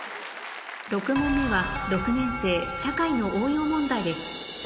６問目は６年生社会の応用問題です